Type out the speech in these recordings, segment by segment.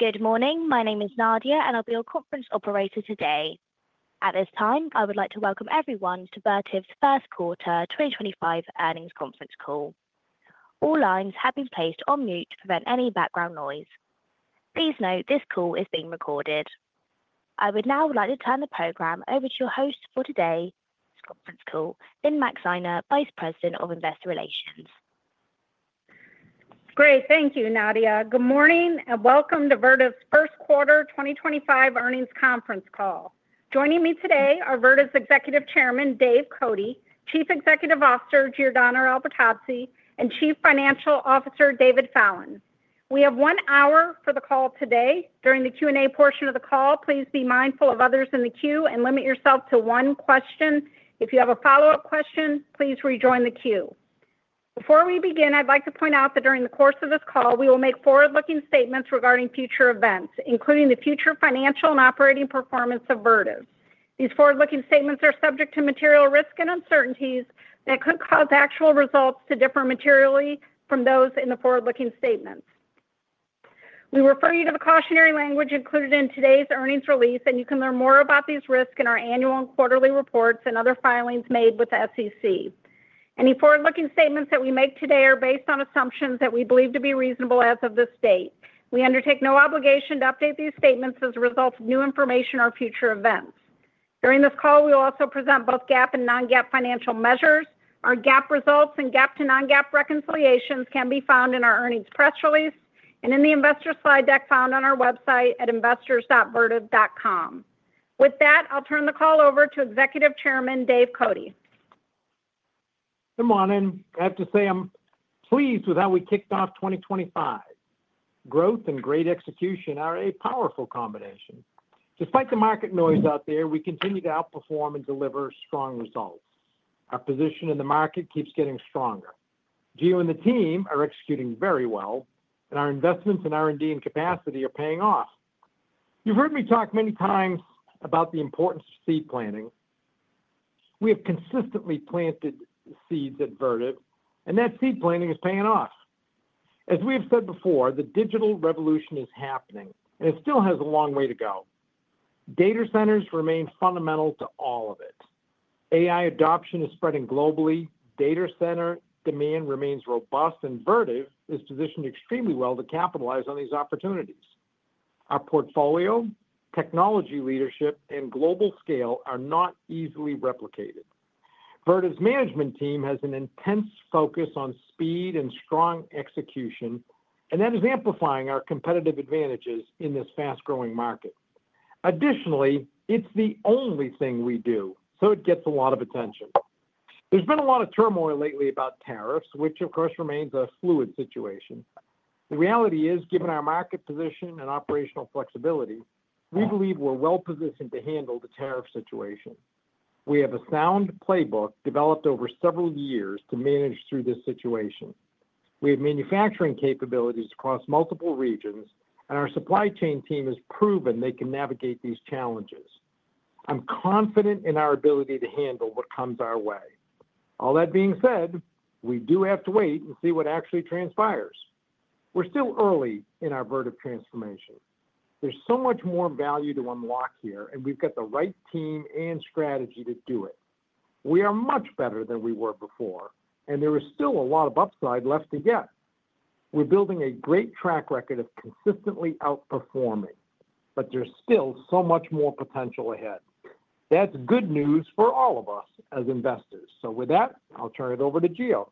Good morning, my name is Nadia, and I'll be your conference operator today. At this time, I would like to welcome everyone to Vertiv's First Quarter 2025 Earnings Conference Call. All lines have been placed on mute to prevent any background noise. Please note this call is being recorded. I would now like to turn the program over to your host for today, this conference call, Lynne Maxeiner, Vice President of Investor Relations. Great. Thank you, Nadia. Good morning and welcome to Vertiv's First Quarter 2025 Earnings Conference Call. Joining me today are Vertiv's Executive Chairman, Dave Cote; Chief Executive Officer, Giordano Albertazzi; and Chief Financial Officer, David Fallon. We have one hour for the call today. During the Q&A portion of the call, please be mindful of others in the queue and limit yourself to one question. If you have a follow-up question, please rejoin the queue. Before we begin, I'd like to point out that during the course of this call, we will make forward-looking statements regarding future events, including the future financial and operating performance of Vertiv. These forward-looking statements are subject to material risks and uncertainties that could cause actual results to differ materially from those in the forward-looking statements. We refer you to the cautionary language included in today's earnings release, and you can learn more about these risks in our Annual and Quarterly Reports and other filings made with the SEC. Any forward-looking statements that we make today are based on assumptions that we believe to be reasonable. As of this date, we undertake no obligation to update these statements as a result of new information or future events. During this call, we will also present both GAAP and non-GAAP financial measures. Our GAAP results and GAAP to non-GAAP reconciliations can be found in our Earnings Press Release and in the Investor slide deck found on our website at investors.vertiv.com. With that, I'll turn the call over to Executive Chairman Dave Cote. Good morning. I have to say I'm pleased with how we kicked off 2025. Growth and great execution are a powerful combination. Despite the market noise out there, we continue to outperform and deliver strong results. Our position in the market keeps getting stronger. Gio and the team are executing very well, and our investments in ER&D and capacity are paying off. You've heard me talk many times about the importance of seed planting. We have consistently planted seeds at Vertiv, and that seed planting is paying off. As we have said before, the digital revolution is happening, and it still has a long way to go. Data centers remain fundamental to all of it. AI adoption is spreading globally. Data center demand remains robust, and Vertiv is positioned extremely well to capitalize on these opportunities. Our portfolio, technology leadership, and global scale are not easily replicated. Vertiv's management team has an intense focus on speed and strong execution, and that is amplifying our competitive advantages in this fast-growing market. Additionally, it's the only thing we do, so it gets a lot of attention. There's been a lot of turmoil lately about tariffs, which, of course, remains a fluid situation. The reality is, given our market position and operational flexibility, we believe we're well-positioned to handle the tariff situation. We have a sound playbook developed over several years to manage through this situation. We have manufacturing capabilities across multiple regions, and our supply chain team has proven they can navigate these challenges. I'm confident in our ability to handle what comes our way. All that being said, we do have to wait and see what actually transpires. We're still early in our Vertiv transformation. There's so much more value to unlock here and we've got the right team and strategy to do it. We are much better than we were before, and there is still a lot of upside left to get. We're building a great track record of consistently outperforming, but there's still so much more potential ahead. That's good news for all of us as investors. With that, I'll turn it over to Gio.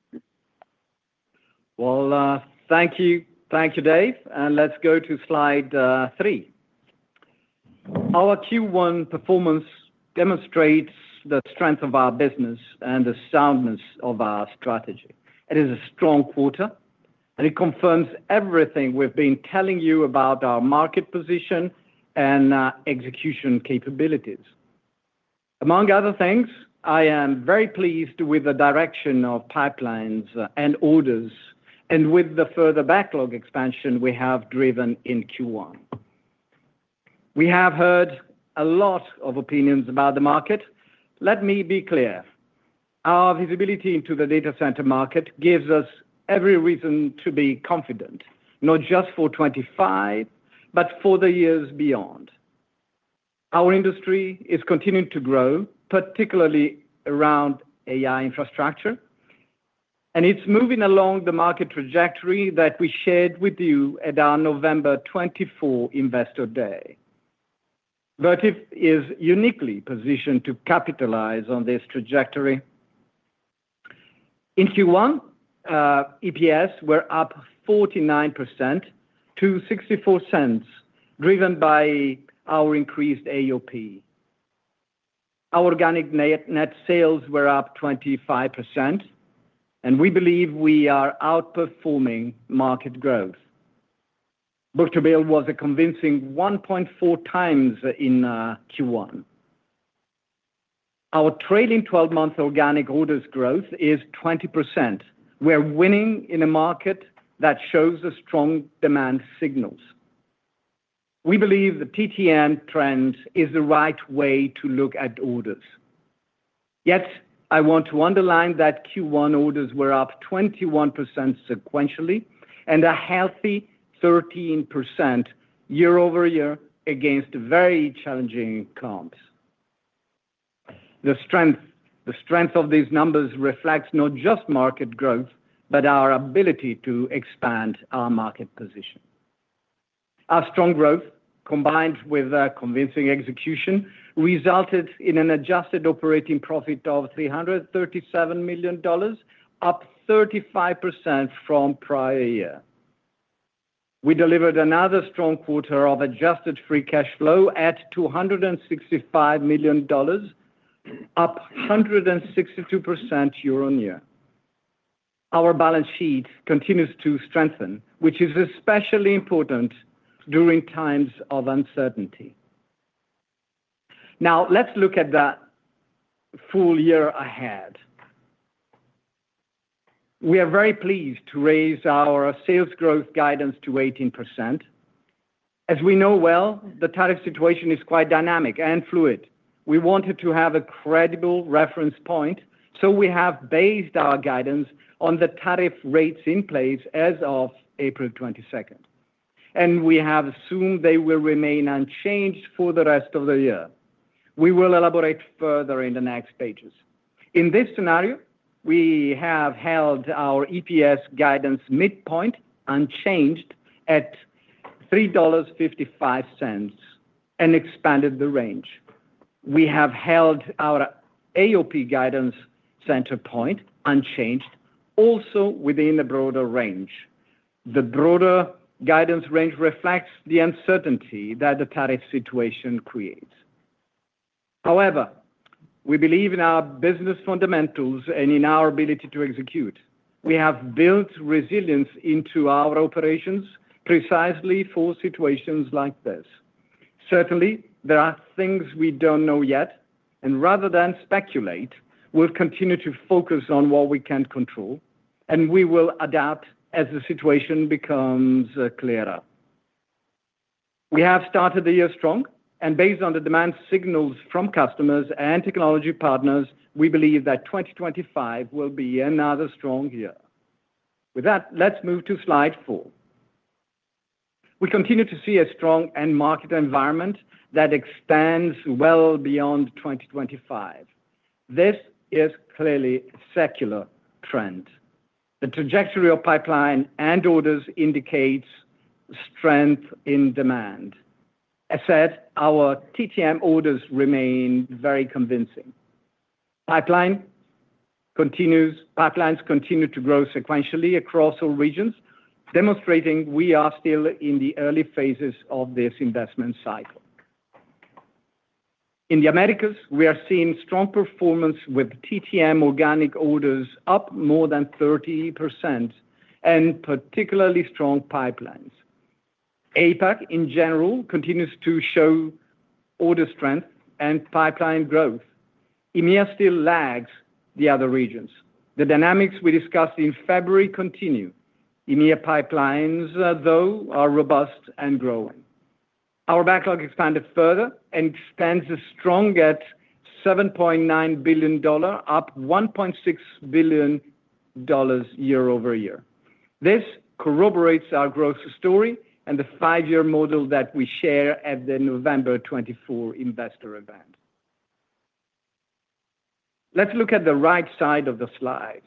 Well, thank you. Thank you, Dave. Let's go to slide three. Our Q1 performance demonstrates the strength of our business and the soundness of our strategy. It is a strong quarter, and it confirms everything we've been telling you about our market position and execution capabilities. Among other things, I am very pleased with the direction of pipelines and orders, and with the further backlog expansion we have driven in Q1. We have heard a lot of opinions about the market. Let me be clear. Our visibility into the data center market gives us every reason to be confident, not just for 2025, but for the years beyond. Our industry is continuing to grow, particularly around AI infrastructure, and it's moving along the market trajectory that we shared with you at our November 2024 Investor Day. Vertiv is uniquely positioned to capitalize on this trajectory. In Q1, EPS were up 49% to $0.64, driven by our increased AOP. Our organic net sales were up 25% and we believe we are outperforming market growth. Book-to-bill was a convincing 1.4 times in Q1. Our trailing twelve-month organic orders growth is 20%. We're winning in a market that shows strong demand signals. We believe the TTM trend is the right way to look at orders. Yet, I want to underline that Q1 orders were up 21% sequentially and a healthy 13% year-over-year against very challenging comps. The strength of these numbers reflects not just market growth, but our ability to expand our market position. Our strong growth, combined with convincing execution, resulted in an adjusted operating profit of $337 million, up 35% from prior year. We delivered another strong quarter of adjusted free cash flow at $265 million, up 162% year-on-year. Our balance sheet continues to strengthen, which is especially important during times of uncertainty. Now let's look at the full year ahead. We are very pleased to raise our sales growth guidance to 18%. As we know well, the tariff situation is quite dynamic and fluid. We wanted to have a credible reference point, so we have based our guidance on the tariff rates in place as of April 22, and we have assumed they will remain unchanged for the rest of the year. We will elaborate further in the next pages. In this scenario, we have held our EPS guidance midpoint unchanged at $3.55 and expanded the range. We have held our AOP guidance center point unchanged also within the broader range. The broader guidance range reflects the uncertainty that the tariff situation creates. However, we believe in our business fundamentals and in our ability to execute. We have built resilience into our operations precisely for situations like this. Certainly, there are things we do not know yet, and rather than speculate, we will continue to focus on what we can't control, and we will adapt as the situation becomes clearer. We have started the year strong, and based on the demand signals from customers and technology partners, we believe that 2025 will be another strong year. With that, let's move to slide four. We continue to see a strong end-market environment that extends well beyond 2025. This is clearly a secular trend. The trajectory of pipeline and orders indicates strength in demand. As said, our TTM orders remain very convincing. Pipelines continue to grow sequentially across all regions, demonstrating we are still in the early phases of this investment cycle. In the Americas, we are seeing strong performance with TTM organic orders up more than 30% and particularly strong pipelines. APAC in general continues to show order strength and pipeline growth. EMEA still lags the other regions. The dynamics we discussed in February continue. EMEA pipelines, though, are robust and growing. Our backlog expanded further and stands strong at $7.9 billion, up $1.6 billion year-over-year. This corroborates our growth story and the five-year model that we shared at the November 2024 Investor Event. Let's look at the right side of the slide.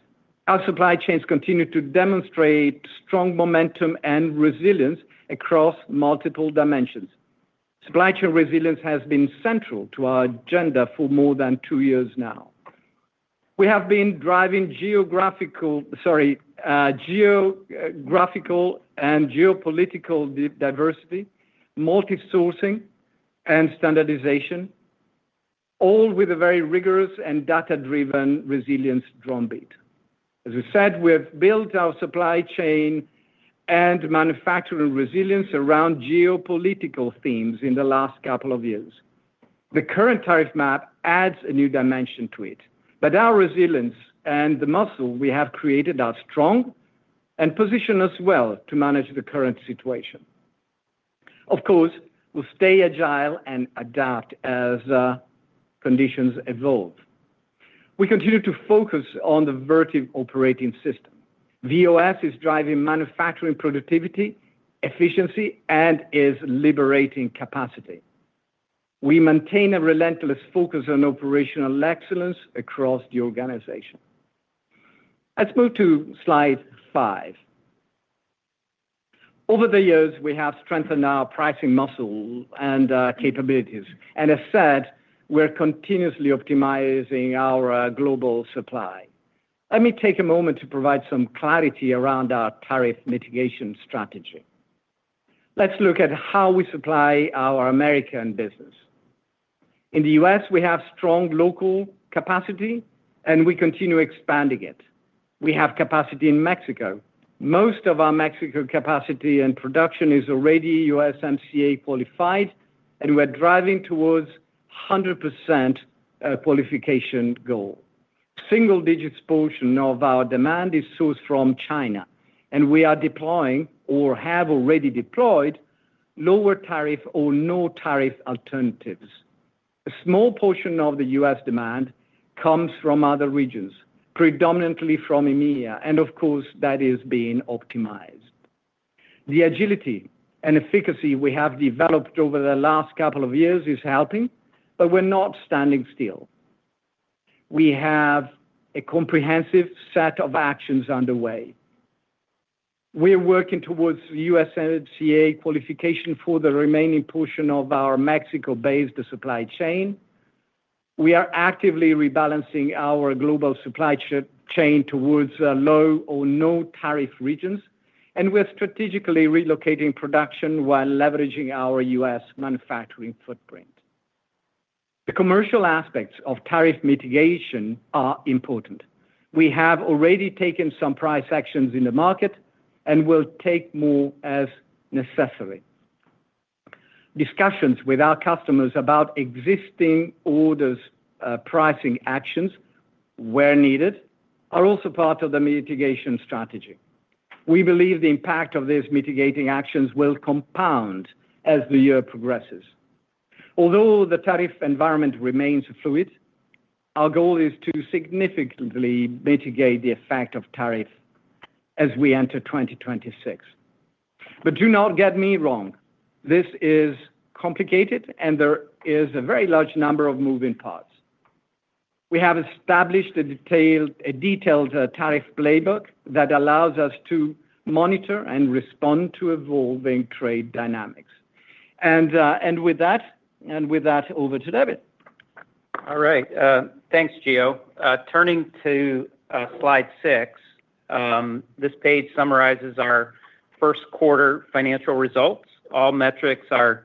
Our supply chains continue to demonstrate strong momentum and resilience across multiple dimensions. Supply chain resilience has been central to our agenda for more than two years now. We have been driving geographical and geopolitical diversity, multi-sourcing, and standardization, all with a very rigorous and data-driven resilience drumbeat. As we said, we have built our supply chain and manufacturing resilience around geopolitical themes in the last couple of years. The current tariff map adds a new dimension to it, but our resilience and the muscle we have created are strong and position us well to manage the current situation. Of course, we'll stay agile and adapt as conditions evolve. We continue to focus on the Vertiv Operating System. VOS is driving manufacturing productivity, efficiency, and its liberating capacity. We maintain a relentless focus on operational excellence across the organization. Let's move to slide five. Over the years, we have strengthened our pricing muscle and capabilities, and as said, we're continuously optimizing our global supply. Let me take a moment to provide some clarity around our tariff mitigation strategy. Let's look at how we supply our American business. In the U.S., we have strong local capacity, and we continue expanding it. We have capacity in Mexico. Most of our Mexico capacity and production is already USMCA qualified, and we're driving towards 100% qualification goal. Single-digits portion of our demand is sourced from China, and we are deploying or have already deployed lower-tariff or no-tariff alternatives. A small portion of the U.S. demand comes from other regions, predominantly from EMEA, and of course, that is being optimized. The agility and efficacy we have developed over the last couple of years is helping, but we're not standing still. We have a comprehensive set of actions underway. We are working towards USMCA qualification for the remaining portion of our Mexico-based supply chain. We are actively rebalancing our global supply chain towards low or no-tariff regions, and we are strategically relocating production while leveraging our U.S. manufacturing footprint. The commercial aspects of tariff mitigation are important. We have already taken some price actions in the market and will take more as necessary. Discussions with our customers about existing orders, pricing actions where needed, are also part of the mitigation strategy. We believe the impact of these mitigating actions will compound as the year progresses. Although the tariff environment remains fluid, our goal is to significantly mitigate the effect of tariffs as we enter 2026. Do not get me wrong, this is complicated, and there is a very large number of moving parts. We have established a detailed tariff playbook that allows us to monitor and respond to evolving trade dynamics. With that, over to David. All right. Thanks, Gio. Turning to slide six, this page summarizes our first quarter financial results. All metrics are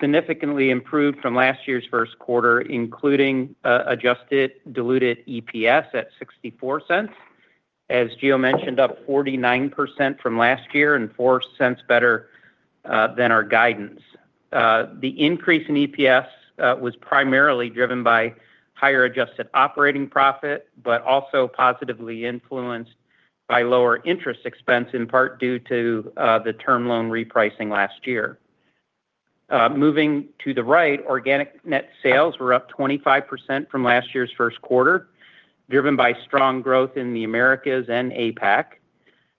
significantly improved from last year's first quarter, including adjusted diluted EPS at $0.64, as Gio mentioned, up 49% from last year and $0.04 better than our guidance. The increase in EPS was primarily driven by higher adjusted operating profit, but also positively influenced by lower interest expense, in part due to the term loan repricing last year. Moving to the right, organic net sales were up 25% from last year's first quarter, driven by strong growth in the Americas and APAC.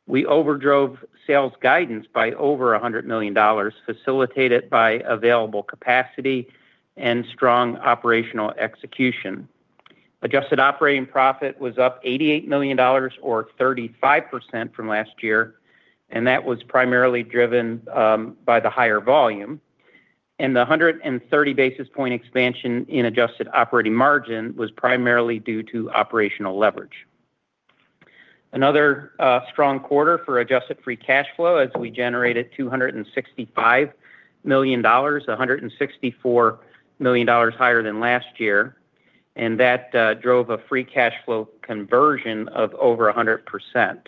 We overdrove sales guidance by over $100 million, facilitated by available capacity and strong operational execution. Adjusted operating profit was up $88 million or 35% from last year, and that was primarily driven by the higher volume, and the 130 basis point expansion in adjusted operating margin was primarily due to operational leverage. Another strong quarter for adjusted free cash flow as we generated $265 million, $164 million higher than last year, and that drove a free cash flow conversion of over 100%.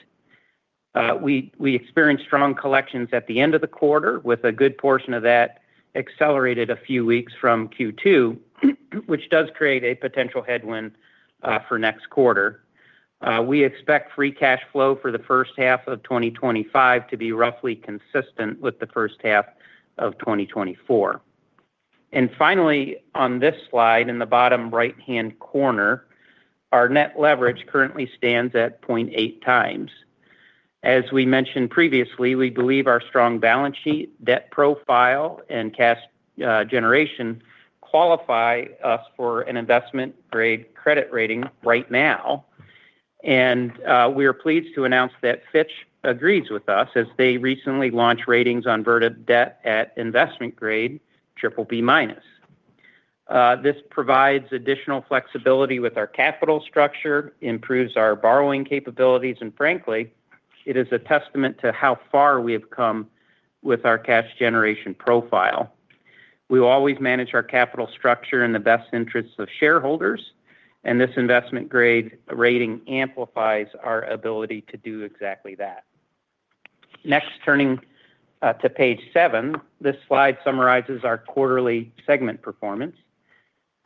We experienced strong collections at the end of the quarter, with a good portion of that accelerated a few weeks from Q2, which does create a potential headwind for next quarter. We expect free cash flow for the first half of 2025 to be roughly consistent with the first half of 2024. And finally, on this slide in the bottom right-hand corner, our net leverage currently stands at 0.8 times. As we mentioned previously, we believe our strong balance sheet, debt profile, and cash generation qualify us for an investment-grade credit rating right now, and we are pleased to announce that Fitch agrees with us, as they recently launched ratings on Vertiv debt at investment-grade, BBB-. This provides additional flexibility with our capital structure, improves our borrowing capabilities, and frankly, it is a testament to how far we have come with our cash generation profile. We will always manage our capital structure in the best interests of shareholders, and this investment-grade rating amplifies our ability to do exactly that. Next, turning to page seven, this slide summarizes our quarterly segment performance.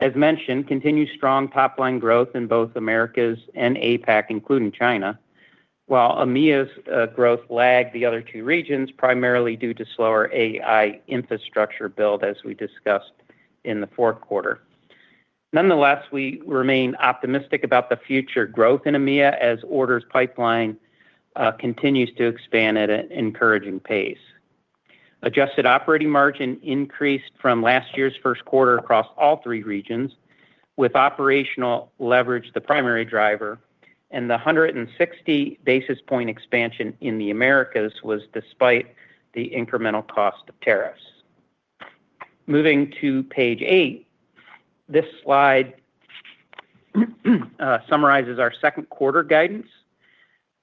As mentioned, continued strong top-line growth in both Americas and APAC, including China, while EMEA's growth lagged the other two regions primarily due to slower AI infrastructure build. As we discussed in the fourth quarter. Nonetheless, we remain optimistic about the future growth in EMEA as orders pipeline continues to expand at an encouraging pace. Adjusted operating margin increased from last year's first quarter across all three regions, with operational leverage the primary driver, and the 160 basis point expansion in the Americas was despite the incremental cost of tariffs. Moving to page eight, this slide summarizes our second quarter guidance.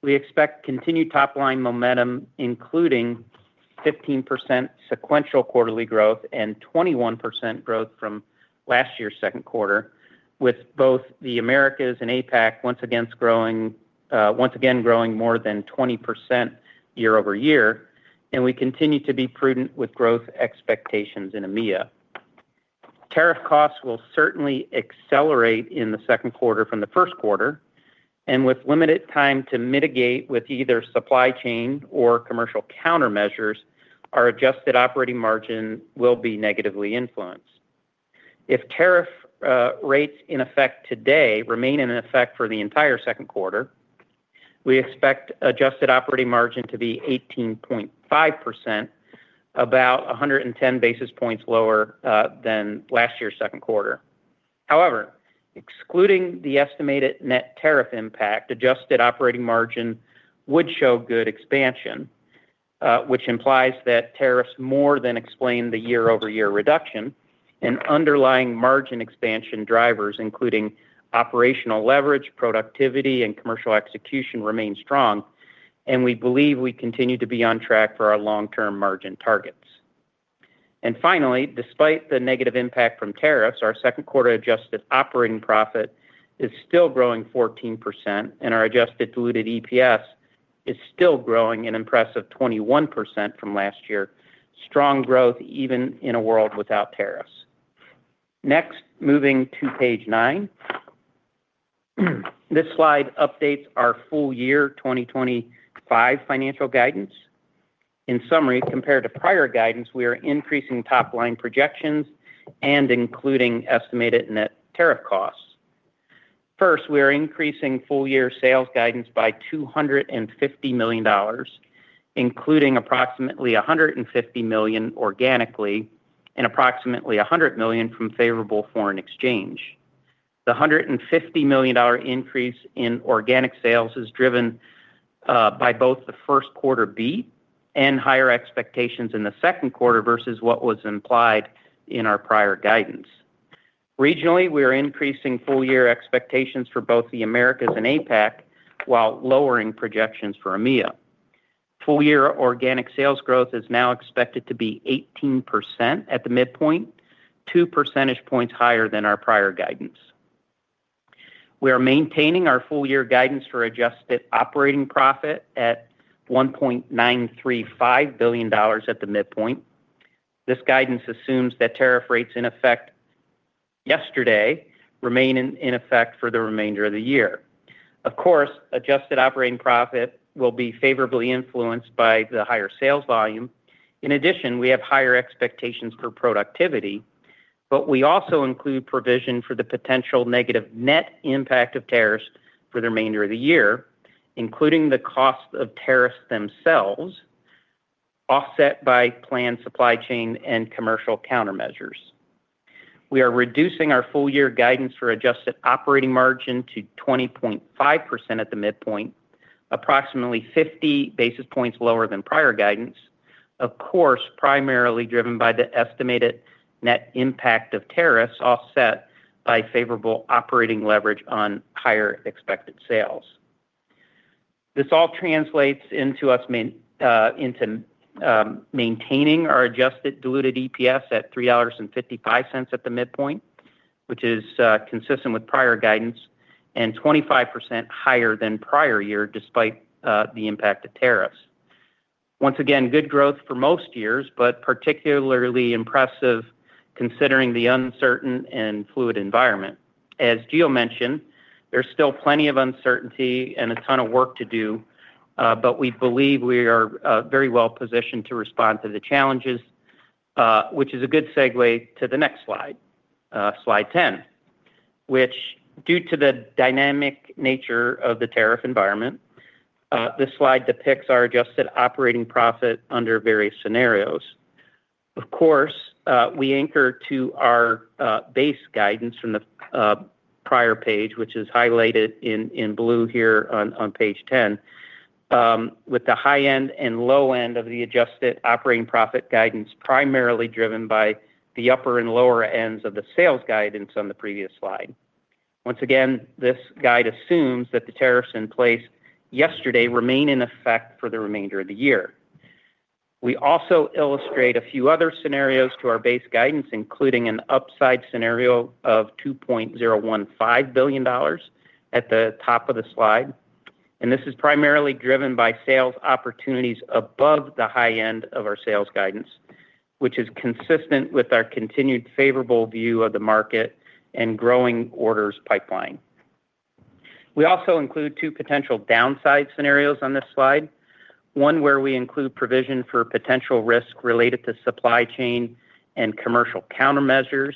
We expect continued top-line momentum, including 15% sequential quarterly growth and 21% growth from last year's second quarter, with both the Americas and APAC once again growing more than 20% year-over-year. and we continue to be prudent with growth expectations in EMEA. Tariff costs will certainly accelerate in the second quarter from the first quarter, and with limited time to mitigate with either supply chain or commercial countermeasures, our adjusted operating margin will be negatively influenced. If tariff rates in effect today remain in effect for the entire second quarter, we expect adjusted operating margin to be 18.5%, about 110 basis points lower than last year's second quarter. However, excluding the estimated net tariff impact, adjusted operating margin would show good expansion, which implies that tariffs more than explain the year-over-year reduction and underlying margin expansion drivers, including operational leverage, productivity, and commercial execution remain strong, and we believe we continue to be on track for our long-term margin targets. Finally, despite the negative impact from tariffs, our second quarter adjusted operating profit is still growing 14% and our adjusted diluted EPS is still growing an impressive 21% from last year, ptrong growth even in a world without tariffs. Next, moving to Page nine, this slide updates our full year 2025 financial guidance. In summary, compared to prior guidance, we are increasing top-line projections and including estimated net tariff costs. First, we are increasing full year sales guidance by $250 million, including approximately $150 million organically and approximately $100 million from favorable foreign exchange. The $150 million increase in organic sales is driven by both the first quarter beat and higher expectations in the second quarter versus what was implied in our prior guidance. Regionally, we are increasing full year expectations for both the Americas and APAC while lowering projections for EMEA. Full year organic sales growth is now expected to be 18% at the midpoint, 2 percentage points higher than our prior guidance. We are maintaining our full year guidance for adjusted operating profit at $1.935 billion at the midpoint. This guidance assumes that tariff rates in effect yesterday remain in effect for the remainder of the year. Of course, adjusted operating profit will be favorably influenced by the higher sales volume. In addition, we have higher expectations for productivity, but we also include provision for the potential negative net impact of tariffs for the remainder of the year, including the cost of tariffs themselves, offset by planned supply chain and commercial countermeasures. We are reducing our full year guidance for adjusted operating margin to 20.5% at the midpoint, approximately 50 basis points lower than prior guidance, of course, primarily driven by the estimated net impact of tariffs offset by favorable operating leverage on higher expected sales. This all translates into us maintaining our adjusted diluted EPS at $3.55 at the midpoint, which is consistent with prior guidance and 25% higher than prior year despite the impact of tariffs. Once again, good growth for most years, but particularly impressive considering the uncertain and fluid environment. As Gio mentioned, there's still plenty of uncertainty and a ton of work to do, but we believe we are very well positioned to respond to the challenges, which is a good segue to the next slide, slide 10, which, due to the dynamic nature of the tariff environment, this slide depicts our adjusted operating profit under various scenarios. Of course, we anchor to our base guidance from the prior page, which is highlighted in blue here on page 10, with the high end and low end of the adjusted operating profit guidance primarily driven by the upper and lower ends of the sales guidance on the previous slide. Once again, this guide assumes that the tariffs in place yesterday remain in effect for the remainder of the year. We also illustrate a few other scenarios to our base guidance, including an upside scenario of $2.015 billion at the top of the slide, and this is primarily driven by sales opportunities above the high end of our sales guidance, which is consistent with our continued favorable view of the market and growing orders pipeline. We also include two potential downside scenarios on this slide, one where we include provision for potential risk related to supply chain commercial countermeasures,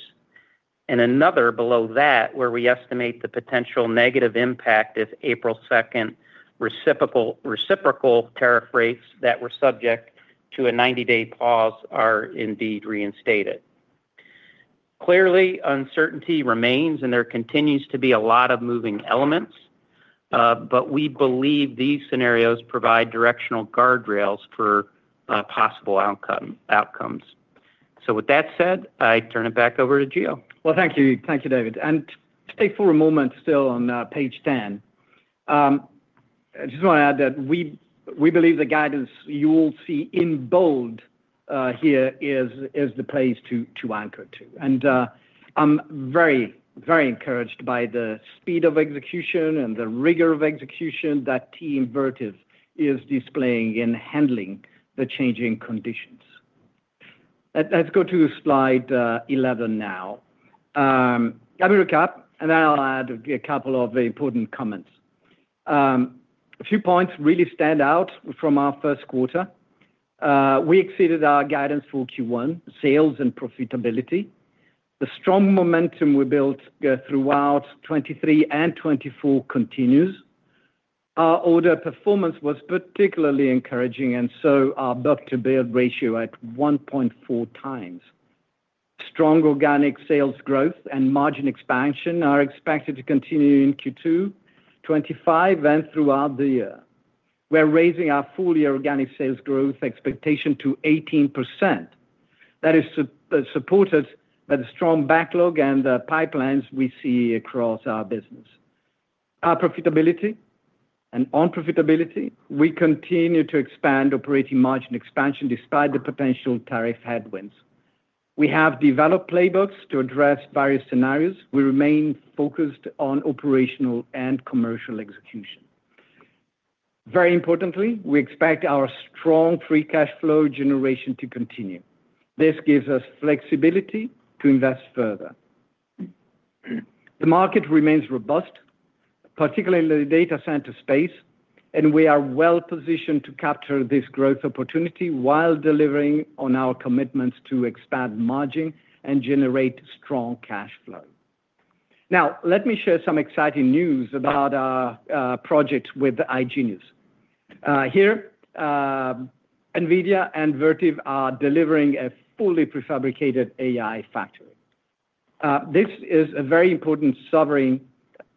and another below that where we estimate the potential negative impact if April 2nd reciprocal tariff rates that were subject to a 90-day pause are indeed reinstated. Clearly, uncertainty remains, and there continues to be a lot of moving elements, but we believe these scenarios provide directional guardrails for possible outcomes. With that said, I turn it back over to Gio. Well, thank you, thank you, David. For a moment, still on page 10, I just want to add that we believe the guidance you will see in bold. Here is the place to anchor to, and I'm very, very encouraged by the speed of execution and the rigor of execution that team Vertiv is displaying and handling the changing conditions. Let's go to slide 11 now. Let me recap, and then I'll add a couple of important comments. A few points really stand out from our first quarter. We exceeded our guidance for Q1 sales and profitability. The strong momentum we built throughout 2023 and 2024 continues. Our order performance was particularly encouraging, and so, our book-to-bill ratio at 1.4 times. Strong organic sales growth and margin expansion are expected to continue in Q2 2025 and throughout the year. We're raising our full year organic sales growth expectation to 18%. That is supported by the strong backlog and pipelines we see across our business, our profitability, and unprofitability. We continue to expand operating margin expansion despite the potential tariff headwinds. We have developed playbooks to address various scenarios. We remain focused on operational and commercial execution. Very importantly, we expect our strong free cash flow generation to continue. This gives us flexibility to invest further. The market remains robust, particularly data center space, and we are well-positioned to capture this growth opportunity while delivering on our commitments to expand margin and generate strong cash flow. Now, let me share some exciting news about our project with iGenius. Here, NVIDIA and Vertiv are delivering a fully prefabricated AI factory. This is a very important sovereign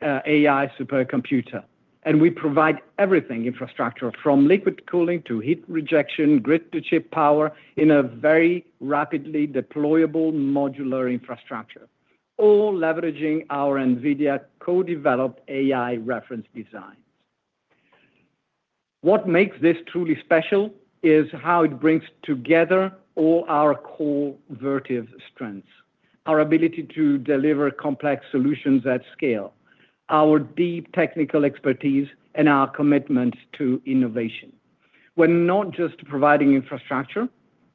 AI supercomputer, and we provide everything infrastructure from liquid cooling to heat rejection grid to chip power in a very rapidly deployable modular infrastructure, all leveraging our NVIDIA co-developed AI reference designs. What makes this truly special is how it brings together all our core Vertiv strengths, our ability to deliver complex solutions at scale, our deep technical expertise, and our commitment to innovation. We're not just providing infrastructure,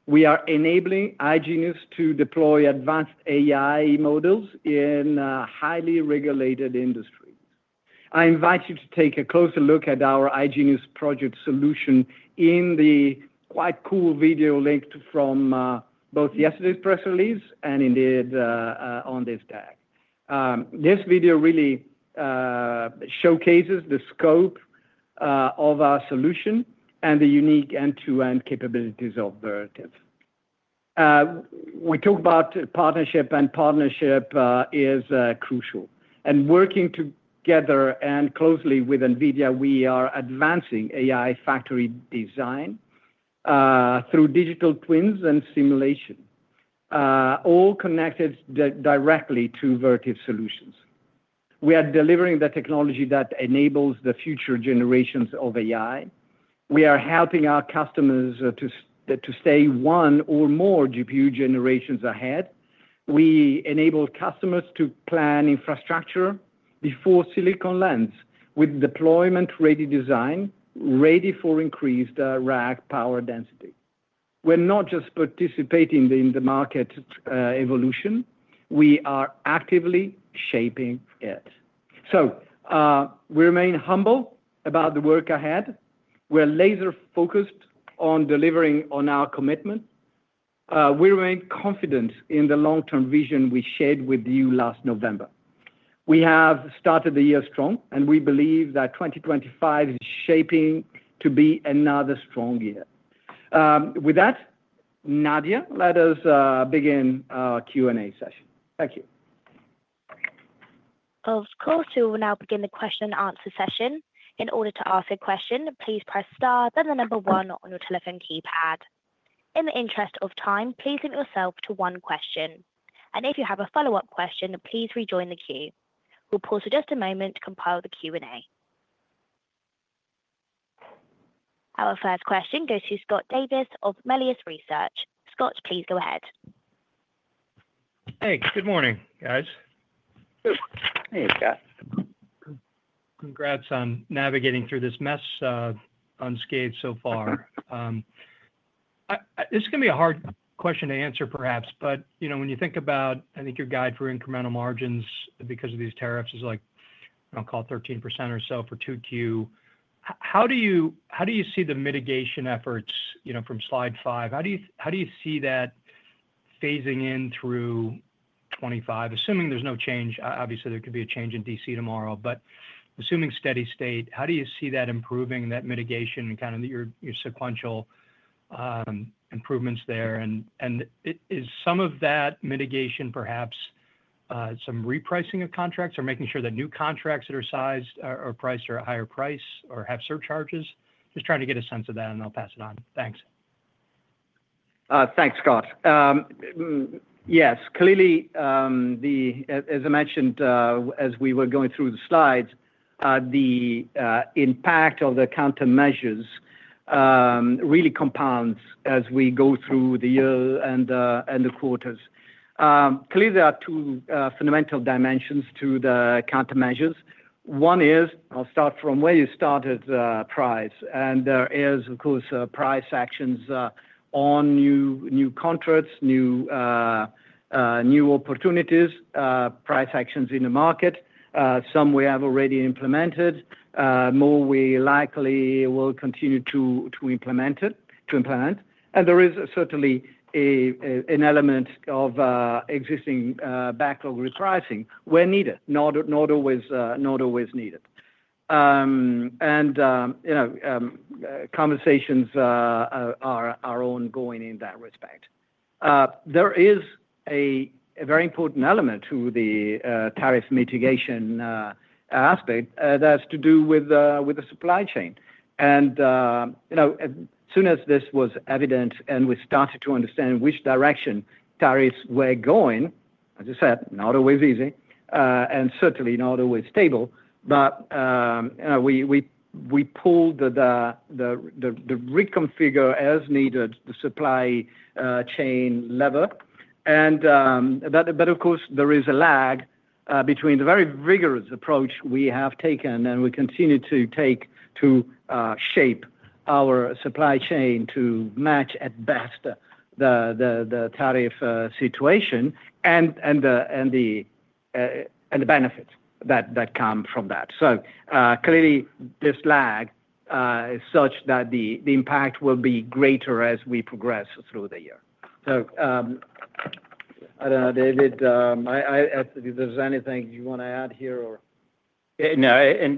we are enabling iGenius to deploy advanced AI models in highly regulated industries. I invite you to take a closer look at our iGenius project solution in the quite cool video linked from both yesterday's press release and indeed on this deck. This video really showcases the scope of our solution and the unique end-to-end capabilities of Vertiv. We talk about partnership, and partnership is crucial, and working together and closely with NVIDIA, we are advancing AI factory design through digital twins and simulation, all connected directly to Vertiv solutions. We are delivering the technology that enables the future generations of AI. We are helping our customers to stay one or more GPU generations ahead. We enable customers to plan infrastructure before silicon lands with deployment-ready design ready for increased rack power density. We are not just participating in the market evolution; we are actively shaping it. We remain humble about the work ahead. We are laser-focused on delivering on our commitment. We remain confident in the long-term vision we shared with you last November. We have started the year strong, and we believe that 2025 is shaping to be another strong year. With that, Nadia, let us begin our Q&A session. Thank you. Of course, we will now begin the Q&A session. In order to ask a question, please press star, then the number one on your telephone keypad. In the interest of time, please limit yourself to one question. If you have a follow-up question, please rejoin the queue. We'll pause for just a moment to compile the Q&A. Our first question goes to Scott Davis of Melius Research. Scott, please go ahead. Thanks. Good morning, guys. Hey, Scott. Congrats on navigating through this mess unscathed so far. This can be a hard question to answer, perhaps. But you know, when you think about, I think your guide for incremental margins because of these tariffs is like, I'll call it 13% or so for 2Q. How do you see the mitigation efforts, you know, from slide five, how do you see that phasing in through 2025, assuming there's no change? Obviously, there could be a change in D.C. tomorrow, but assuming steady state, how do you see that improving that mitigation, kind of your sequential improvements there, and is some of that mitigation perhaps some repricing of contracts or making sure that new contracts that are sized or priced at a higher price or have surcharges? Just trying to get a sense of that, and I'll pass it on. Thanks. Thanks, Scott. Yes, clearly, as I mentioned as we were going through the slides, the impact of the countermeasures really compounds as we go through the year and the quarters. Clearly, there are two fundamental dimensions to the countermeasures. One is, I'll start from where you started, price. There is, of course, price actions on new contracts, new opportunities, price actions in the market. Some we have already implemented, more we likely will continue to implement it, to implement. There is certainly an element of existing backlog repricing, when needed, not always needed. Conversations are ongoing in that respect. There is a very important element to the tariff mitigation aspect that has to do with the supply chain. As soon as this was evident and we started to understand which direction tariffs were going, as I said, not always easy, and certainly not always stable. We pulled the reconfigure as needed the supply chain lever. Of course, there is a lag between the very rigorous approach we have taken, and we continue to take to shape our supply chain to match, at best, the tariff situation, and the benefits that come from that. Clearly, this lag is such that the impact will be greater as we progress through the year. I don't know, David, if there's anything you want to add here, or? No.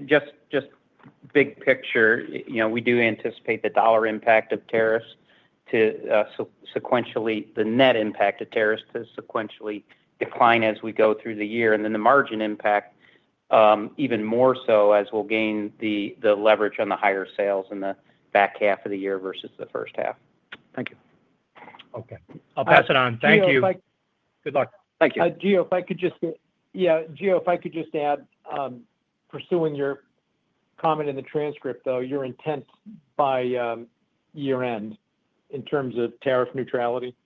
Just big picture, you know, we do anticipate the dollar impact of tariffs to sequentially, the net impact of tariffs to sequentially decline as we go through the year, and then the margin impact even more so as we will gain the leverage on the higher sales in the back half of the year versus the first half. Thank you. Okay. I'll pass it on. Thank you. Good luck. Thank you. Gio, if I could just add, pursuing your comment in the transcript, though. Your intent by year-end in terms of tariff neutrality.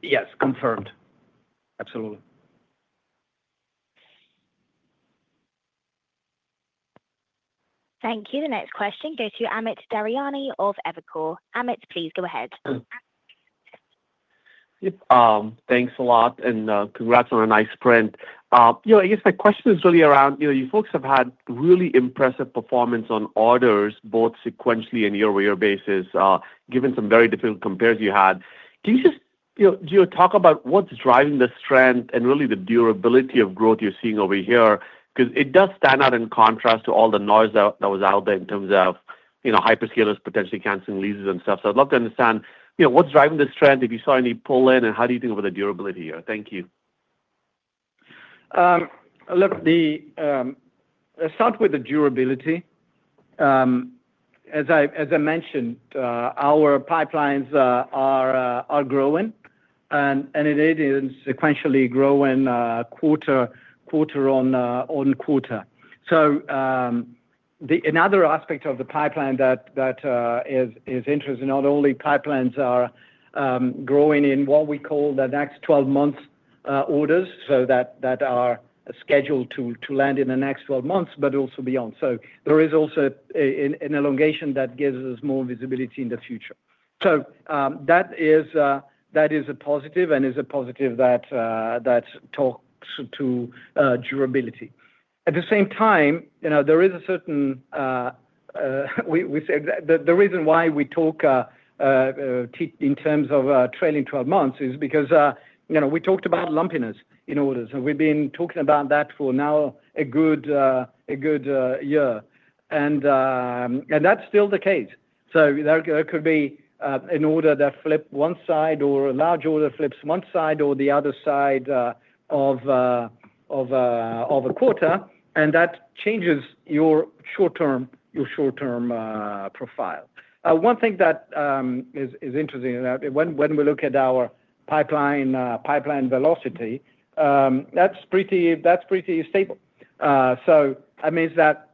Yes, confirmed. Absolutely. Thank you. The next question goes to Amit Daryanani of Evercore. Amit, please go ahead. Thanks a lot and congrats on a nice sprint. I guess my question is really around you folks have had really impressive performance on orders, both sequentially and year-over-year basis, given some very difficult compares you had. Can you just, you know, Gio, talk about what's driving the strength and really the durability of growth you're seeing over here because it does stand out in contrast to all the noise that was out there in terms of, you know, hyperscalers potentially canceling leases and stuff. I'd love to understand, you know, what's driving this trend if you saw any pull in and how do you think about the durability here? Thank you. Look, to start with, the durability, as I mentioned, our pipelines are growing, and they sequentially grow quarter-on-quarter. Another aspect of the pipeline that is interesting, not only are pipelines growing in what we call the next 12-month orders that are scheduled to land in the next 12 months, but also beyond. There is also an elongation that gives us more visibility in the future. That is a positive and is a positive that talks to durability. At the same time, there is a certain, the reason why we talk in terms of trailing 12 months is because we talked about lumpiness in orders, and we've been talking about that for now a good year, and that's still the case. There could be an order that flips one side or a large order flips one side or the other side of a quarter, and that changes your short-term profile. One thing that is interesting when we look at our pipeline velocity, that's pretty stable. That means that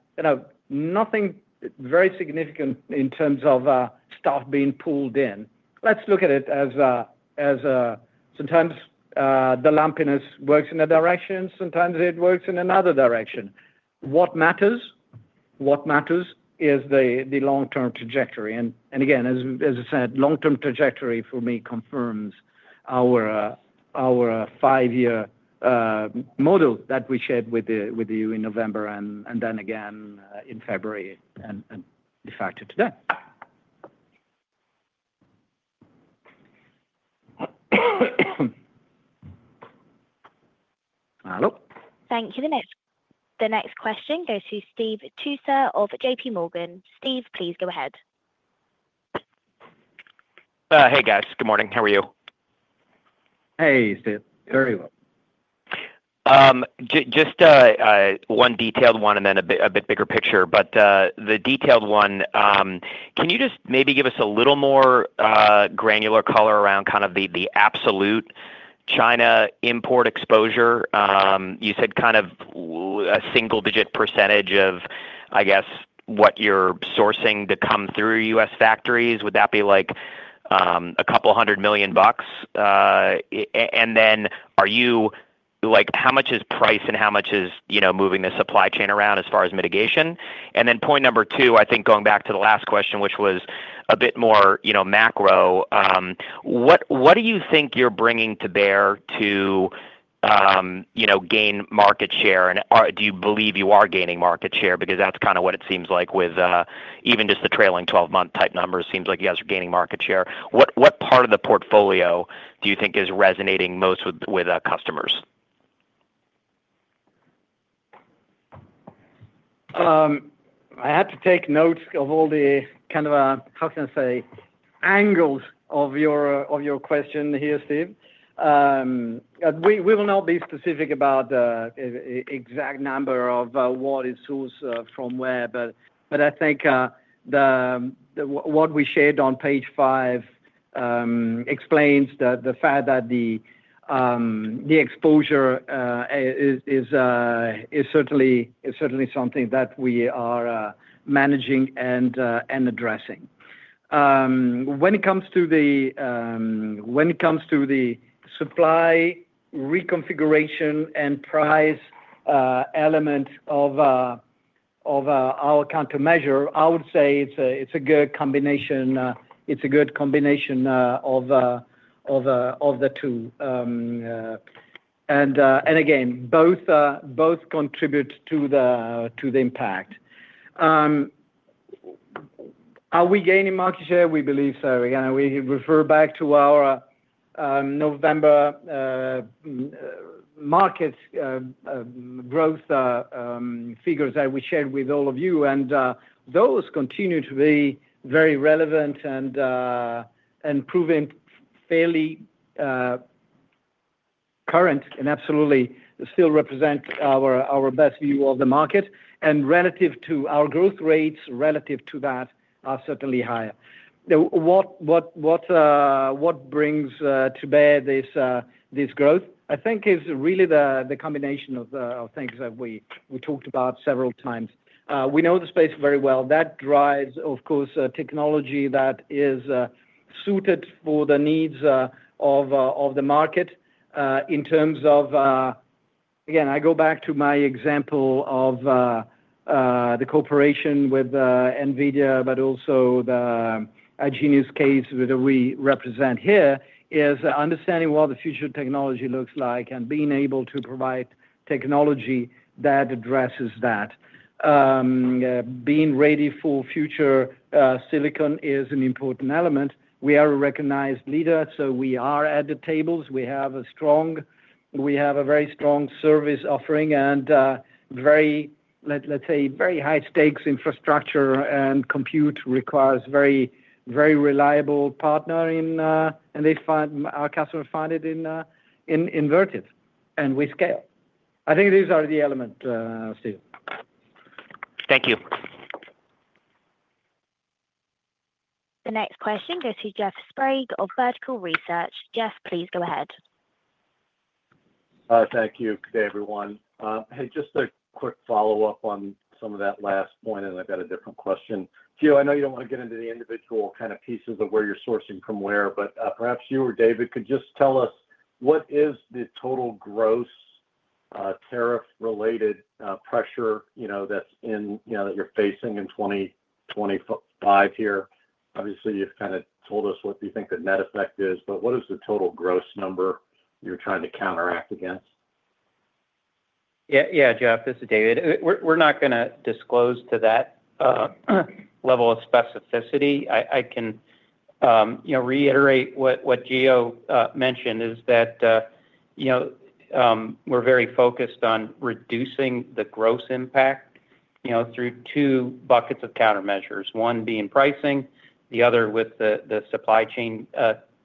nothing very significant in terms of stuff being pulled in. Let's look at it as sometimes the lumpiness works in a direction, sometimes it works in another direction. What matters is the long-term trajectory. And again, as I said, long-term trajectory for me confirms our five-year model that we shared with you in November, and then again in February and de facto today. Hello? Thank you. The next question goes to Steve Tusa of JPMorgan. Steve, please go ahead. Hey guys. Good morning. How are you? Hey, Steve. Very well. Just one detailed one and then a bit bigger picture, but the detailed one. Can you just maybe give us a little more granular color around kind of the absolute China import exposure? You said kind of a single-digit percentage of, I guess, what you're sourcing to come through U.S. factories. Would that be like a couple of hundred million bucks? And then are you like, how much is price, and how much is moving the supply chain around as far as mitigation? Point number two, I think, going back to the last question, which was a bit more macro. What do you think you're bringing to bear to gain market share, and do you believe you are gaining market share? Because that's kind of what it seems like with even just the trailing 12-month type numbers. Seems like you guys are gaining market share. What part of the portfolio do you think is resonating most with customers? I had to take notes of all the kind of, how can I say, angles of your question here, Steve? We will not be specific about exact number of what is whose from where, but I think what we shared on page five explains the fact that the exposure is certainly something that we are managing and addressing when it comes to the supply reconfiguration and price element of our countermeasure. I would say it is a good combination, it's a good combination of the two. Again, both contribute to the impact. Are we gaining market share? We believe so. Again, we refer back to our November market growth figures that we shared with all of you, and those continue to be very relevant and proven fairly current, and absolutely still represent our best view of the market. Relative to our growth rates, relative to that, are certainly higher. What brings to bear this growth? I think, is really the combination of things that we talked about several times. We know the space very well. That drives, of course, technology that is suited for the needs of the market. In terms of, again, I go back to my example of the cooperation with NVIDIA, but also the iGenius case that we represent here is understanding what the future of technology looks like and being able to provide technology that addresses that, being ready for future. Silicon is an important element. We are a recognized leader. We are at the tables. We have a strong, we have a very strong service offering and very, let's say, very high stakes infrastructure and compute requires very, very reliable partner in, and our customers find it in Vertiv, and we scale. I think these are the elements, Steve. Thank you. The next question goes to Jeff Sprague of Vertical Research. Jeff, please go ahead. Thank you. Good day, everyone. Hey, just a quick follow-up on some of that last point, and I've got a different question. Gio, I know you don't want to get into the individual kind of pieces of where you're sourcing from where, but perhaps you or David could just tell us what is the total gross tariff related pressure, you know, that's in, you know, that you're facing in 2025 here? Obviously, you've kind of told us what you think the net effect is. But what is the total gross number you're trying to counteract against? Yeah, Jeff, this is David. We're not going to disclose to that level of specificity. I can reiterate what Gio mentioned is that we're very focused on reducing the gross impact through two buckets of countermeasures. One being pricing, the other with the supply chain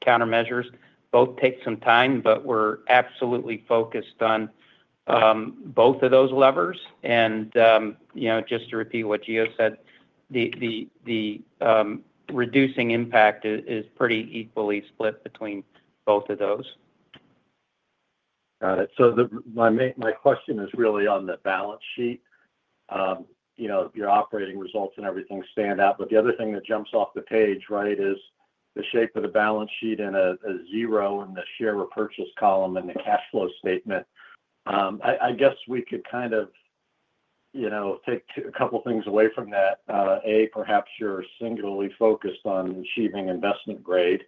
countermeasures. Both take some time, but we're absolutely focused on both of those levers. You know, just to repeat what Gio said, the reducing impact is pretty equally split between both of those. Got it. My question is really on the balance sheet. You know, your operating results and everything stand out. The other thing that jumps off the page, right, is the shape of the balance sheet and a zero in the share repurchase column and the cash flow statement. I guess we could kind of, you know, take a couple of things away from that. A, perhaps you're singularly focused on achieving investment grade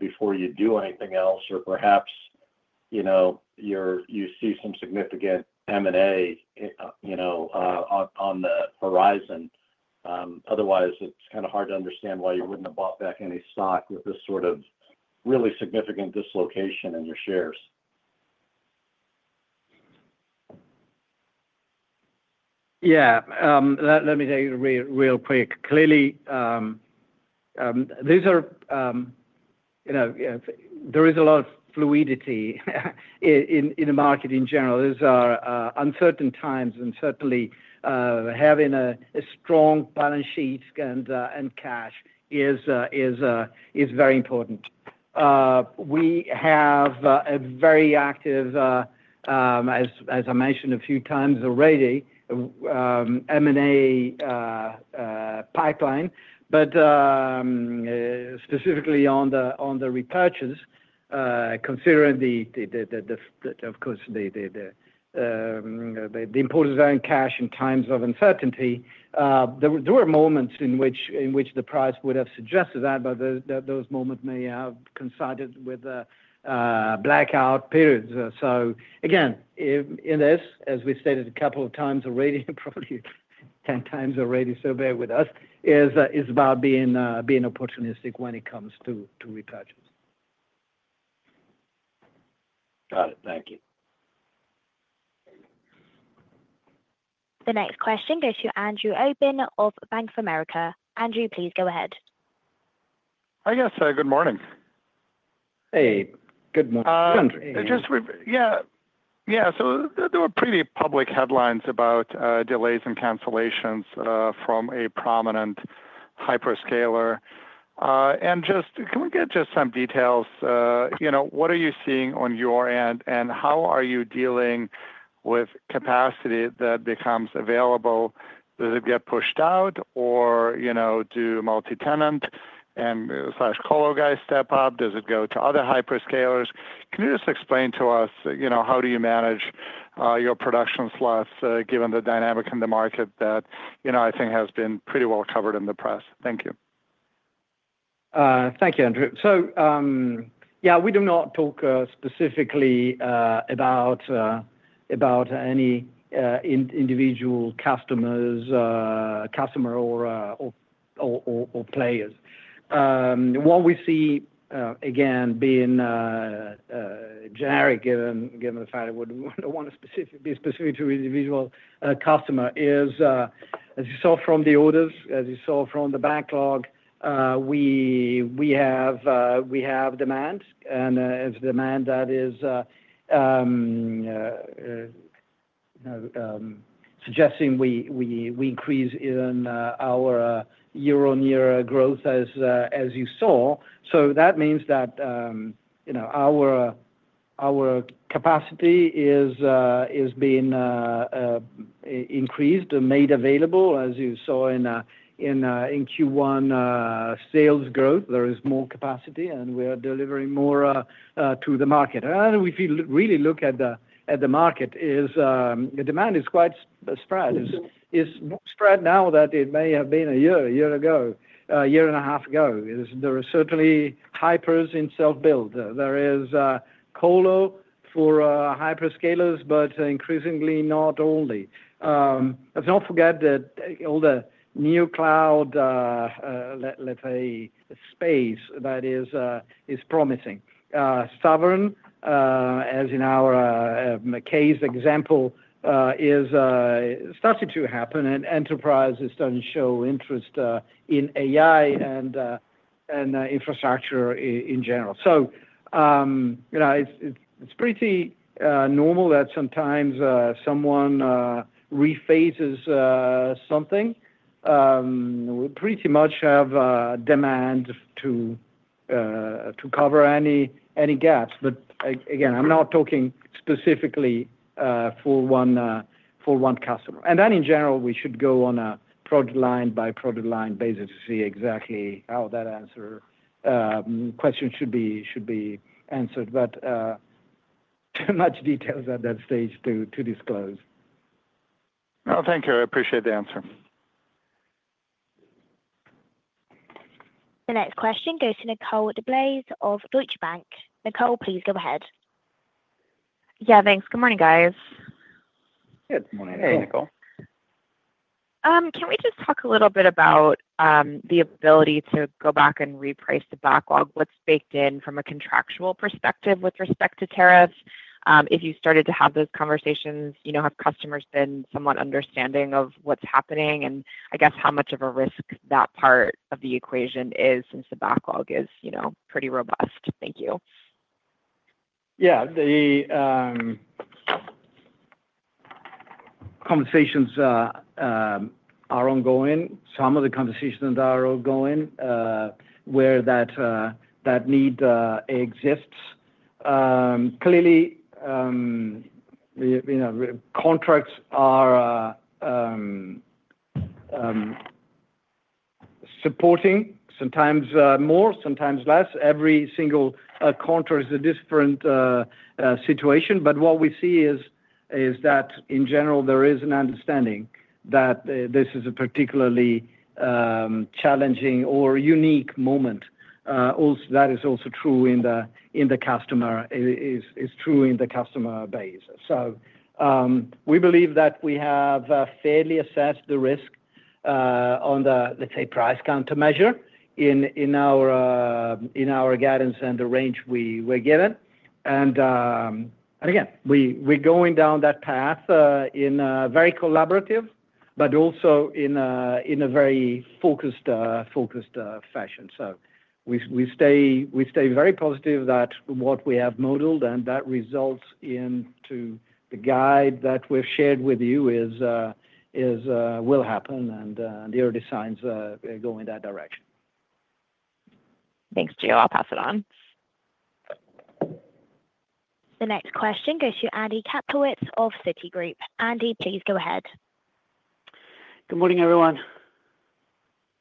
before you do anything else. Or perhaps, you know, you see some significant M&A, you know, on the horizon. Otherwise, it's kind of hard to understand why you wouldn't have bought back any stock with this sort of really significant dislocation in your shares. Yeah. Let me tell you real quick. Clearly, these are, you know, there is a lot of fluidity in the market in general. These are uncertain times, and certainly having a strong balance sheet and cash is very important. We have a very active, as I mentioned a few times already, M&A pipeline. Specifically on the repurchase, considering the, of course, the importance of cash in times of uncertainty, there were moments in which the price would have suggested that, but those moments may have coincided with blackout periods. Again, in this, as we stated a couple of times already, probably 10 times already, so bear with us, is about being opportunistic when it comes to repurchase. Got it, thank you. The next question goes to Andrew Obin of Bank of America. Andrew, please go ahead. Hi, yes, good morning. Hey, good morning. Yeah, so there were pretty public headlines about delays and cancellations from a prominent hyperscaler. Can we get just some details? You know, what are you seeing on your end, and how are you dealing with capacity that becomes available? Does it get pushed out, or, you know, do multi-tenant and colocation guys step up? Does it go to other hyperscalers? Can you just explain to us, you know, how do you manage your production slots given the dynamic in the market that, you know, I think has been pretty well covered in the press? Thank you. Thank you, Andrew. Yeah, we do not talk specifically about any individual customers, customer or players. What we see, again, being generic given the fact that we want to be specific to individual customer is, as you saw from the orders, as you saw from the backlog, we have demand and demand that is suggesting we increase in our year-on-year growth as you saw. That means that our capacity is being increased, made available, as you saw in Q1 sales growth, there is more capacity, and we are delivering more to the market. If you really look at the market, the demand is quite spread. It's more spread now than it may have been a year, a year ago, a year and a half ago. There are certainly hypers in self-build. There is Colo for hyperscalers, but increasingly not only. Let's not forget that all the new cloud, let's say space, that is promising. Sovereign, as in our case example, is starting to happen, and enterprises don't show interest in AI and infrastructure in general. You know, it's pretty normal that sometimes someone rephrases something. We pretty much have demand to cover any gaps. Again, I'm not talking specifically for one customer. In general, we should go on a product line by product line basis to see exactly how that answer questions should be answered, but too much detail at that stage to disclose. No. Thank you, I appreciate the answer. The next question goes to Nicole DeBlase of Deutsche Bank. Nicole, please go ahead. Yeah, thanks. Good morning guys. Good morning. Hey, Nicole. Can we just talk a little bit about the ability to go back and reprice the backlog, what's baked in from a contractual perspective with respect to tariffs? If you started to have those conversations, you know, have customers been somewhat understanding of what's happening, and I guess, how much of a risk that part of the equation is, since the backlog is, you know, pretty robust. Thank you. Yeah, the conversations are ongoing. Some of the conversations are ongoing where that need exists. Clearly, contracts are supporting. Sometimes more, sometimes less. Every single contour is a different situation. What we see is that in general, there is an understanding that this is a particularly challenging or unique moment, that is also true in the customer, it's true in the customer base. We believe that we have fairly assessed the risk on the, let's say, price countermeasure in our guidance and the range we were given. Again, we are going down that path in a very collaborative, but also in a very focused fashion. We stay very positive that what we have modeled and that results in to, the guide that we've shared with you will happen, and the early signs go in that direction. Thanks, Gio. I'll pass it on. The next question goes to Andy Kaplowitz of Citigroup. Andy, please go ahead. Good morning, everyone.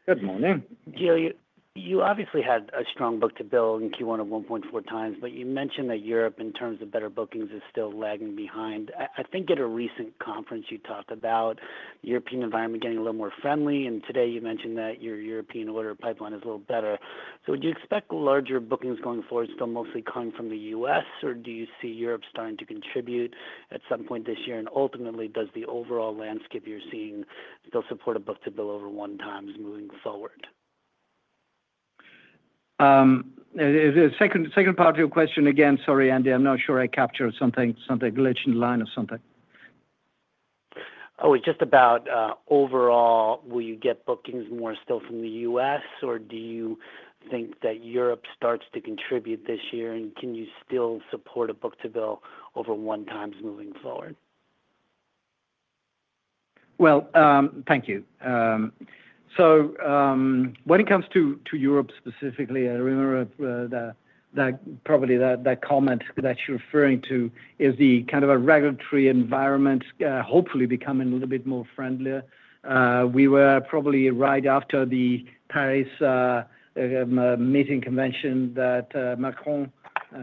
Good morning. Gio, you obviously had a strong book-to-bill in Q1 of 1.4 times, but you mentioned that Europe in terms of better bookings, is still lagging behind. I think at a recent conference you talked about European environment getting a little more friendly, and today you mentioned that your European order pipeline is a little better. Would you expect larger bookings going forward, still mostly coming from the U.S., or do you see Europe starting to contribute at some point this year? Ultimately, does the overall landscape you're seeing still support a book-to-bill over 1 times moving forward? Second part of your question, again. Sorry, Andy. I'm not sure I captured some things, something glitching line or something. Oh, it's just about overall, will you get bookings more still from the U.S., or do you think that Europe starts to contribute this year, and can you still support a book-to-bill over 1 times moving forward? Thank you. When it comes to Europe specifically, I remember probably that comment that you're referring to is the kind of a regulatory environment, hopefully becoming a little bit more friendlier. We were probably right after the Paris meeting convention that Macron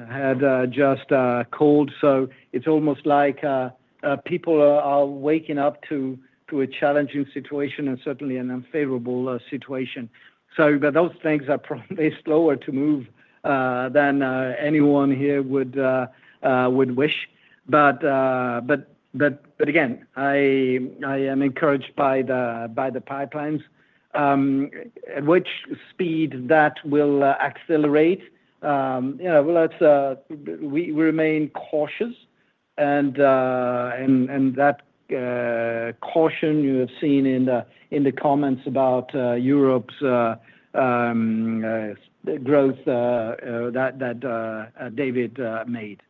had just called. It is almost like people are waking up to a challenging situation and certainly an unfavorable situation. Those things are probably slower to move than anyone here would wish. Again, I am encouraged by the pipelines at which speed that will accelerate. We remain cautious. That caution you have seen in the comments about Europe's growth that David made.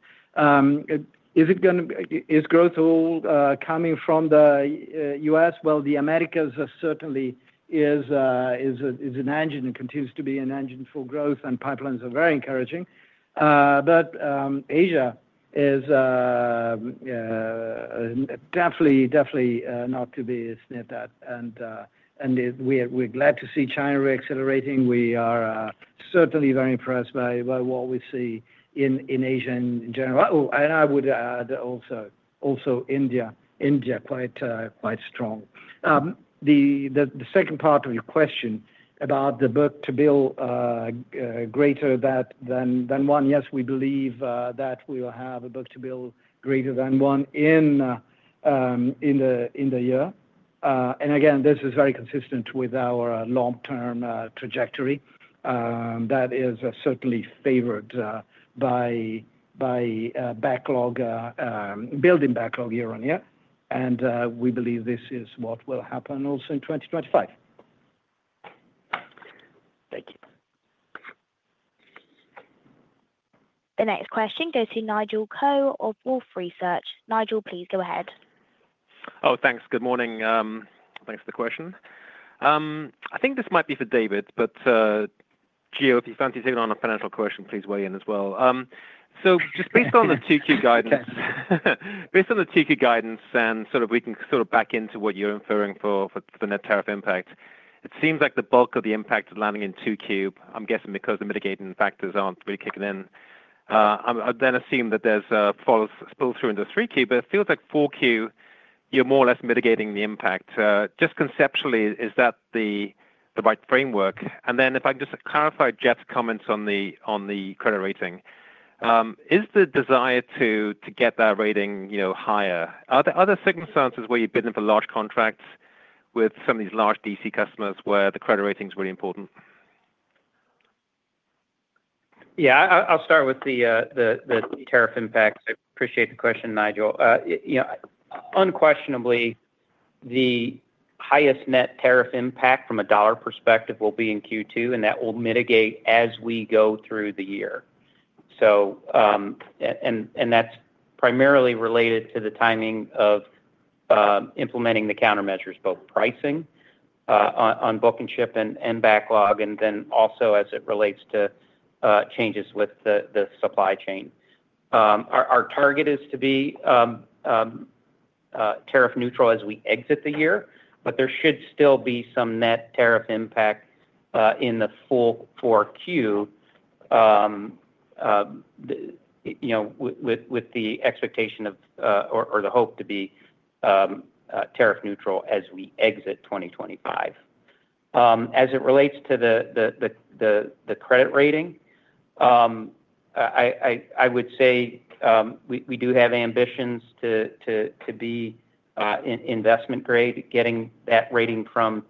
Is that growth all coming from the U.S.? Well, the Americas certainly is an engine, and continues to be an engine for growth, and pipelines are very encouraging. Asia is definitely, definitely not to be at that, and we are glad to see China reaccelerating. We are certainly very impressed by what we see in Asia in general, and I would add also India. India quite strong. The second part of your question about the book-to-bill greater than one. Yes, we believe that we will have a book-to-bill greater than one in the year. Again, this is very consistent with our long-term trajectory, that is certainly favored by backlog, building backlog year-on-year. We believe this is what will happen also in 2025. Thank you. The next question goes to Nigel Coe of Wolfe Research. Nigel, please go ahead. Oh, thanks. Good morning. Thanks for the question. I think this might be for David, but Gio, if you fancy taking on a financial question, please weigh in as well. Just based on the 2Q guidance, based on the 2Q guidance, and sort of, we can sort of back into what you're inferring for the net tariff impact. It seems like the bulk of the impact is landing in 2Q, I'm guessing, because the mitigating factors aren't really kicking in. I then assume that there's spill through into 3Q, but it feels like 4Q. You're more or less mitigating the impact just conceptually, is that the right framework? If I can just clarify Jeff's comments on the credit rating. Is the desire to get that rating, you know, higher, are there other circumstances where you bid them for large contracts with some of these large DC customers, where the credit rating is really important? Yeah. I'll start with the tariff impacts. I appreciate the question, Nigel. Unquestionably, the highest net tariff impact from a dollar perspective will be in Q2, and that will mitigate as we go through the year. That is primarily related to the timing of implementing the countermeasures, both pricing on booking, shipping, and backlog, and then also as it relates to changes with the supply chain. Our target is to be tariff neutral as we exit the year, but there should still be some net tariff impact in the full 4Q, you know, with the expectation of, or the hope to be tariff neutral as we exit 2025. As it relates to the credit rating, I would say we do have ambitions to be investment grade, getting that rating from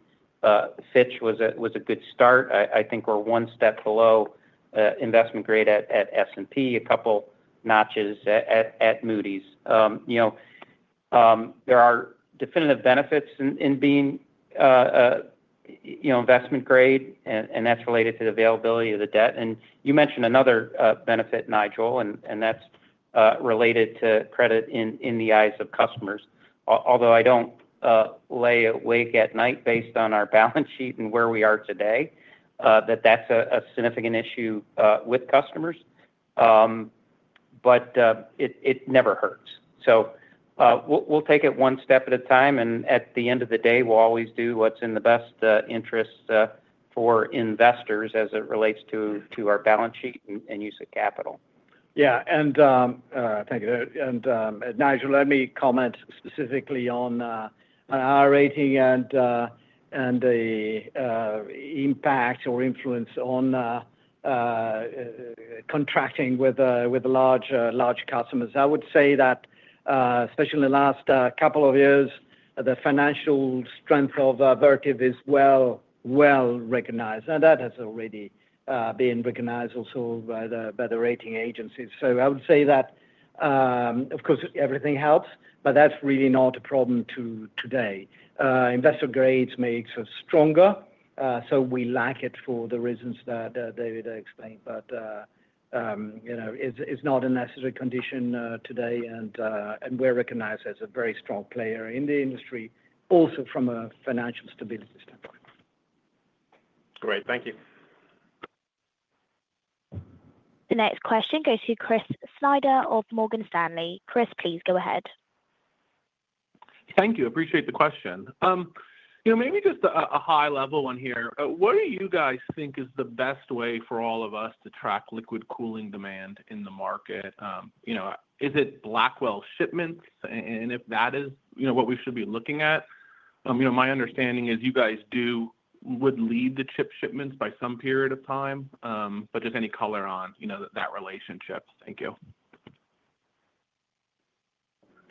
Fitch was a good start. I think we're one step below investment grade at S&P, a couple notches at Moody's. You know, there are definitive benefits in being, you know, investment grade, and that's related to the availability of the debt. You mentioned another benefit, Nigel, and that's related to credit in the eyes of customers. Although I don't lay awake at night, based on our balance sheet and where we are today, that's a significant issue with customers, but it never hurts. We'll take it one step at a time, and at the end of the day, we'll always do what's in the best interest for investors as it relates to our balance sheet and use of capital. Yeah. Thank you. Nigel, let me comment specifically on our rating and the impact or influence on contracting with large customers. I would say that, especially in the last couple of years, the financial strength of Vertiv is well, well recognized, and that has already been recognized also by the rating agencies. I would say that, of course, everything helps, but that's really not a problem today. Investor grades make us stronger. We like it for the reasons that David explained. You know, it's not a necessary condition today, and we're recognized as a very strong player in the industry, also from a financial stability standpoint. Great, thank you. The next question goes to Chris Snyder of Morgan Stanley. Chris, please go ahead. Thank you. Appreciate the question. You know, maybe just a high-level one here. What do you guys think is the best way for all of us to track liquid cooling demand in the market? You know, is it Blackwell shipments? And if that is, you know, what we should be looking at, you know, my understanding is you guys do, would lead the chip shipments by some period of time, but just any color on, you know, that relationship. Thank you.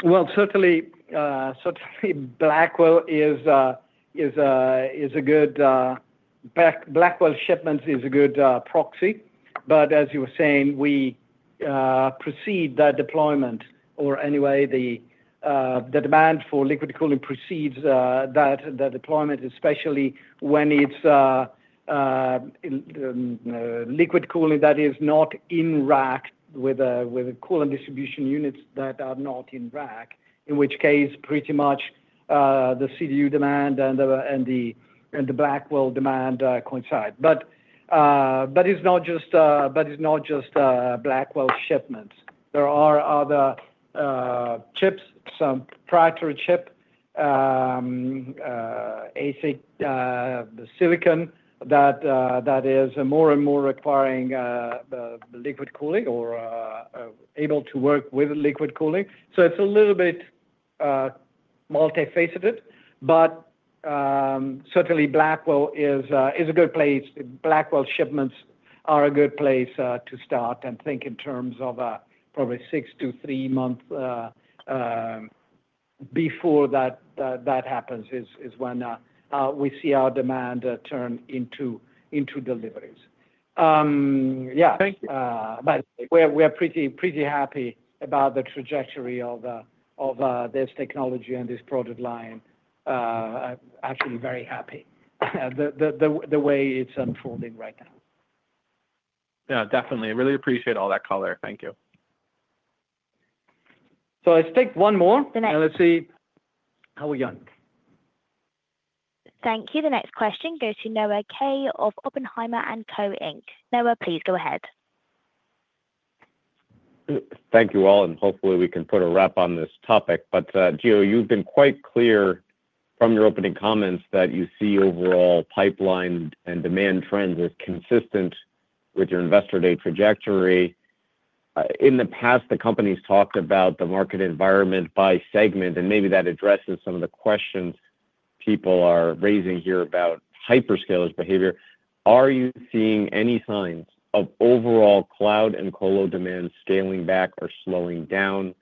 Certainly. Certainly, Blackwell is a good, Blackwell shipments is a good proxy. As you were saying, we proceed the deployment or anyway the demand for liquid cooling precedes that deployment. Especially when it is liquid cooling that is not in rack with coolant distribution units that are not in rack, in which case, pretty much the CDU demand and the Blackwell demand coincide. It is not just Blackwell shipment. There are other chips, some proprietary chip, the silicon that is more and more requiring liquid cooling or able to work with liquid cooling. It is a little bit multifaceted. But certainly, Blackwell is a good place. Blackwell shipments are a good place to start, and think in terms of probably six to three months before that happens. That is when we see our demand turn into deliveries. Yeah, we are pretty happy about the trajectory of this technology and this product line. I'm actually very happy the way it's unfolding right now. Definitely. I really appreciate all that color. Thank you. I stick one more, and let's see how we end. Thank you. The next question goes to Noah Kaye of Oppenheimer & Co Inc. Noah, please go ahead. Thank you all, and hopefully we can put a wrap on this topic. Gio, you've been quite clear from your opening comments that you see overall pipeline and demand trends as consistent with your Investor Day trajectory. In the past, the company has talked about the market environment by segment, and maybe that addresses some of the questions people are raising here about hyperscalers' behavior. Are you seeing any signs of overall cloud and Colo demand scaling back or slowing down?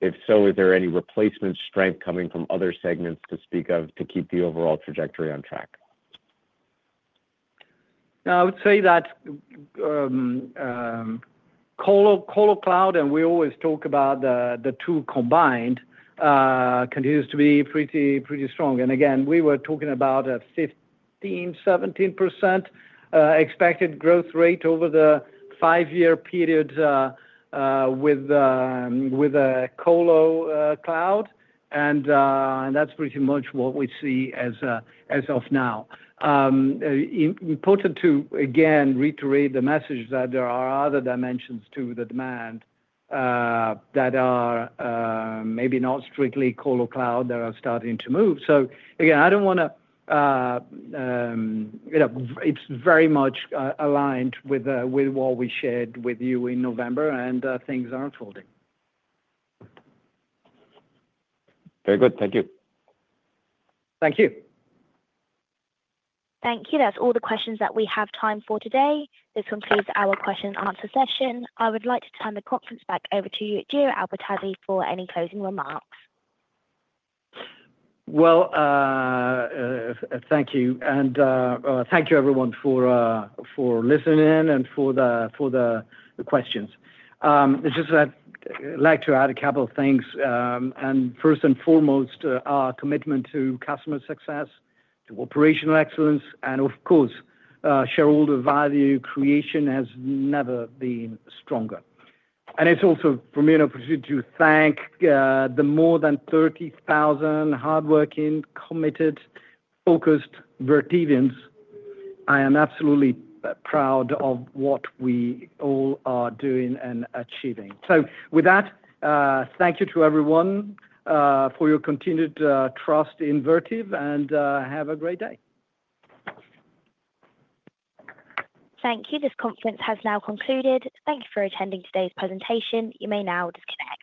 If so, is there any replacement strength coming from other segments to speak of to keep the overall trajectory on track? I would say that Colo cloud, and we always talk about the two combined, continues to be pretty strong. Again, we were talking about 15%-17% expected growth rate over the five-year period with Colo cloud, and that's pretty much what we see as of now. Important to again, reiterate the message that there are other dimensions to the demand that are maybe not strictly Colo cloud that are starting to move. I don't want to, you know, it's very much aligned with what we shared with you in November, and things are unfolding. Very good. Thank you. Thank you. Thank you. That's all the questions that we have time for today. This concludes our Q&A session. I would like to turn the conference back over to Gio Albertazzi for any closing remarks. Well, thank you. And thank you, everyone, for listening and for the questions. I just like to add a couple of things. First and foremost, our commitment to customer success, to operational excellence, and of course shareholder value creation has never been stronger. It is also for me an opportunity to thank the more than 30,000 hard-working, committed, focused Vertivians. I am absolutely proud of what we all are doing and achieving. With that, thank you to everyone for your continued trust in Vertiv, and have a great day. Thank you. This conference has now concluded. Thank you for attending today's presentation. You may now disconnect.